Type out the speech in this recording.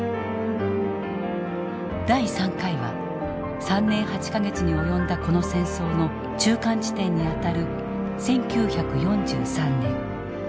第３回は３年８か月に及んだこの戦争の中間地点にあたる１９４３年。